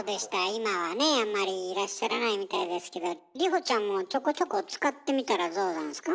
今はねあんまりいらっしゃらないみたいですけど里穂ちゃんもちょこちょこ使ってみたらどうザンスか？